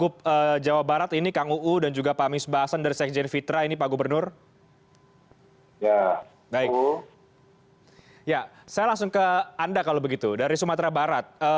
pak gubernur sumatera barat